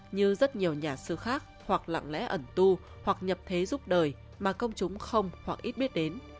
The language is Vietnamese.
như rất nhiều nhà sư khác hoặc lặng lẽ ẩn tu hoặc nhập thế giúp đời mà công chúng không hoặc ít biết đến